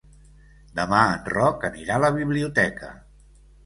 Demà en Roc anirà a la biblioteca.